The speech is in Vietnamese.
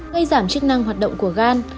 gây giảm chức năng hoạt động của gan